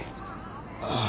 ああ。